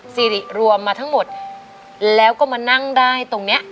สิริรวมมาทั้งหมดแล้วก็มานั่งได้ตรงนี้